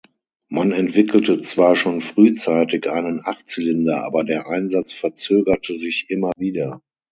Man entwickelte zwar schon frühzeitig einen Achtzylinder, aber der Einsatz verzögerte sich immer wieder.